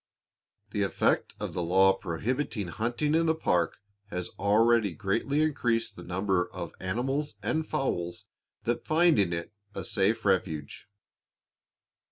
The effect of the law prohibiting hunting in the park has already greatly increased the numbers of animals and fowls that find in it a safe refuge.